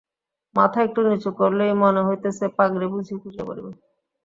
মাথা একটু নিচু করিলেই মনে হইতেছে পাগড়ি বুঝি খসিয়া পড়িবে।